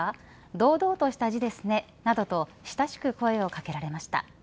堂々とした字ですね、などと親しく声を掛けられました。